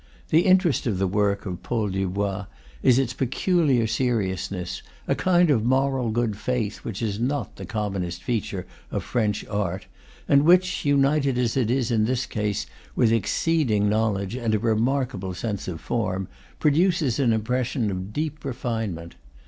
The interest of the work of Paul Dubois is its peculiar seriousness, a kind of moral good faith which is not the commonest feature of French art, and which, united as it is in this case with exceeding knowledge and a remarkable sense of form, produces an impression, of deep refinement.